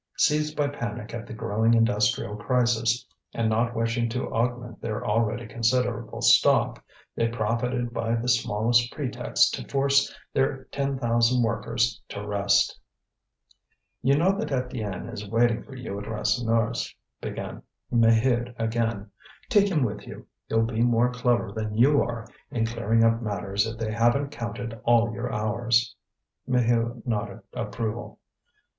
Seized by panic at the growing industrial crisis, and not wishing to augment their already considerable stock, they profited by the smallest pretexts to force their ten thousand workers to rest. "You know that Étienne is waiting for you at Rasseneur's," began Maheude again. "Take him with you; he'll be more clever than you are in clearing up matters if they haven't counted all your hours." Maheu nodded approval.